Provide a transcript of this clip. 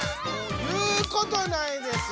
もう言うことないです。